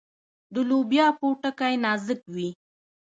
د لوبیا پوټکی نازک وي.